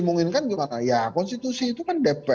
munginkan gimana ya konstitusi itu kan depan